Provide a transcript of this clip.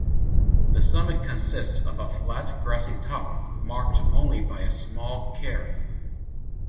The summit consists of a flat grassy top marked only by a small cairn.